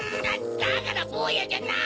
だからぼうやじゃない！